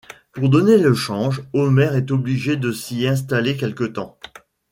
Pour donner le change, Homer est obligé de s'y installer quelque temps.